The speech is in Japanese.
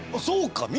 そうか！